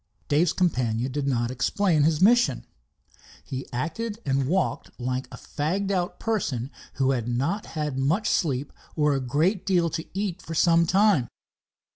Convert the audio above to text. Dave's companion did not explain his mission. He acted and walked like a fagged out person who had not had much sleep or a great deal to eat for some time.